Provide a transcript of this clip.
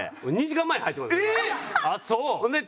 ２時間前に入ってますので。